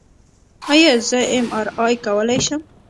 ایا زه ایم آر آی کولی شم؟